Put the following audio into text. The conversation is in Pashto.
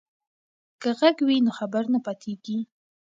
که غږ وي نو خبر نه پاتیږي.